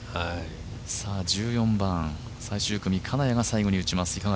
１４番、最終組金谷が最後に打ちます。